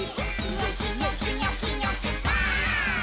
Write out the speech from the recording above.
「ニョキニョキニョキニョキバーン！」